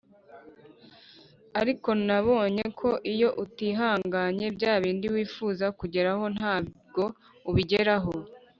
ariko nabonye ko iyo utihanganye bya bindi wifuza kugeraho ntabwo ubigeraho